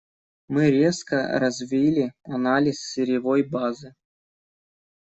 Мы резко развили анализ сырьевой базы.